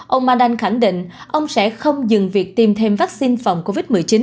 ông mandan khẳng định ông sẽ không dừng việc tiêm thêm vaccine phòng covid một mươi chín